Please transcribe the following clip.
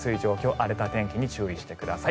荒れた天気に注意してください。